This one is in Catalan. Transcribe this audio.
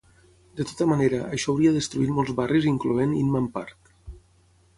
De tota manera, això hauria destruït molts barris incloent Inman Park.